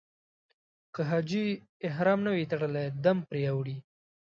که حاجي احرام نه وي تړلی دم پرې اوړي.